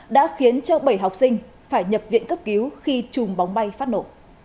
đã khiến bảy học sinh phải nhập viện cấp cứu khi chùm bóng bay phát nổ